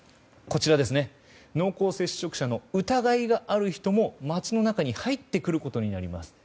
濃厚接触者の疑いがある人も街の中に入ってくることになります。